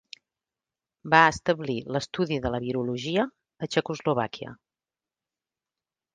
Va establir l'estudi de la virologia a Txecoslovàquia.